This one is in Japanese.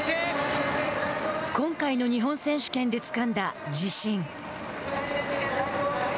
今回の日本選手権でつかんだ自信。